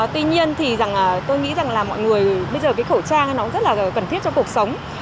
tuy nhiên thì tôi nghĩ rằng là mọi người bây giờ cái khẩu trang nó rất là cần thiết cho cuộc sống